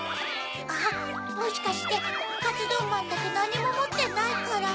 あっもしかしてカツドンマンだけなにももってないから。